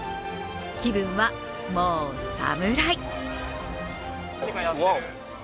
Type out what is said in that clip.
気分は、もう侍！